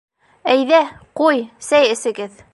— Әйҙә, ҡуй, сәй эҫегеҙ.